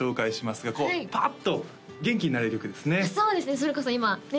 それこそ今ね